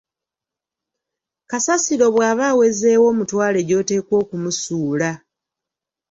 Kasasiro bwaba awezeewo, mutwale gy‘oteekwa okumusuula.